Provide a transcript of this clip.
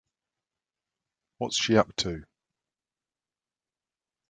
What's she up to?